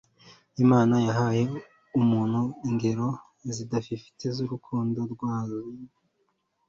Imana yahaye umuntu ingero zidafifitse z'urukundo rwayo.